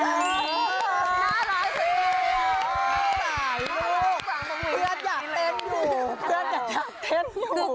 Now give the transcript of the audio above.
เพื่อนอยากเต้นอยู่